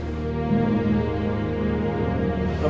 lu mau ngarah